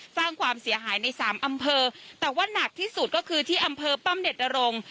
สร้างความเสียหายในสามอำเภอแต่ว่าหนักที่สุดก็คือที่อำเภอป้อมเด็ดนรงค์